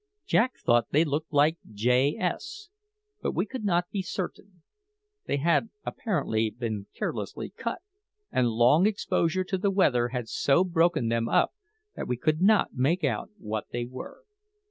Jack thought they looked like JS, but we could not be certain. They had apparently been carelessly cut, and long exposure to the weather had so broken them up that we could not make out what they were.